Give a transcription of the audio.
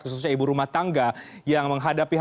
khususnya ibu rumah tangga yang menghadapi harga